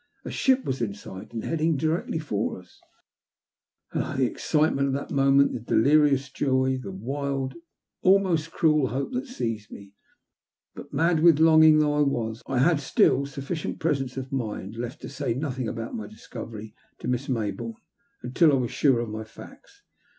A ihip was in sight, and heading directly for us I Oh, the excitement of that moment, the delirious joy, the wild, almost cruel, hope that seized me ! But, mad with longing though I was, I had still sufficient presence of mind left to say nothing about my discovery to Miss Mayboume until I was sure of my facts.